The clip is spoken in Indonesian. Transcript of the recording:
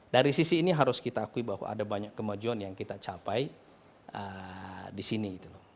dari sisi ini harus kita akui bahwa ada banyak kemajuan yang kita capai di sini gitu loh